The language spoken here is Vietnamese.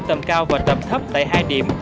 tầm cao và tầm thấp tại hai điểm